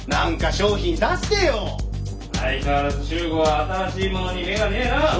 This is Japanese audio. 「相変わらずシュウゴは新しいものに目がねえな」。